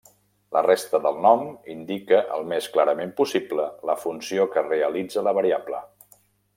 La resta del nom indica, el més clarament possible, la funció que realitza la variable.